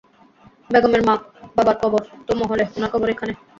বেগমের মা, বাবার কবর, তো মহলে, উনার কবর এইখানে?